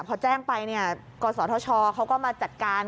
พอแจ้งไปกรสรทชเขาก็มาจัดการ